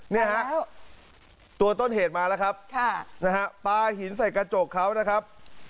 เนี่ยฮะตัวต้นเหตุมาแล้วครับนะฮะปลาหินใส่กระจกเขานะครับ